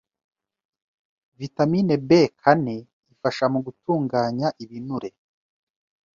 Vitamini B kane ifasha mu gutunganya ibinure